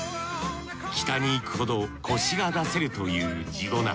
北に行くほどコシが出せるという地粉。